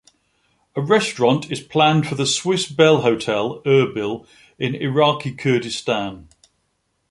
A restaurant is planned for the Swiss-Belhotel Erbil in Iraqi Kurdistan.